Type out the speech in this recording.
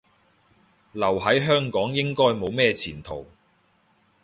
留喺香港應該都冇咩前途